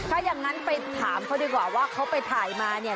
ถ้าอย่างนั้นไปถามเขาดีกว่าว่าเขาไปถ่ายมาเนี่ย